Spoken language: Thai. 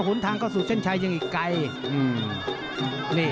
หนทางเข้าสู่เส้นชัยยังอีกไกล